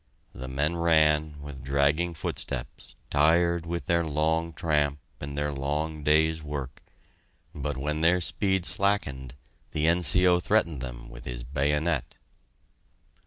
The men ran, with dragging footsteps, tired with their long tramp and their long day's work, but when their speed slackened, the N.C.O. threatened them with his bayonet.